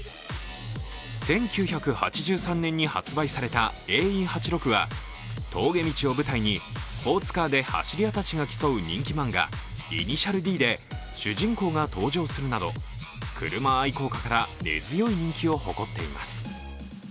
１９８３年に発売されたＡＥ８６は峠道を舞台にスポーツカーで走り屋たちが競う人気漫画「頭文字Ｄ」で主人公が搭乗するなど車愛好家から根強い人気を誇っています。